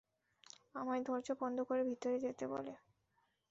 আমায় দরজা বন্ধ করে ভিতরে যেতে বলে।